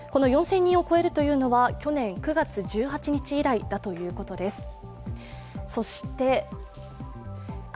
４０００人を超えるというのは去年９月１８日以来ということです。